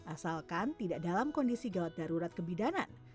asalkan tidak dalam kondisi gawat darurat kebidanan